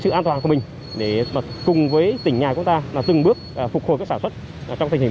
sự an toàn của mình để cùng với tỉnh nhà của ta là từng bước phục hồi các sản xuất trong tình hình